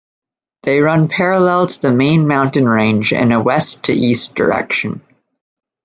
They run parallel to the main mountain range in a west to east direction.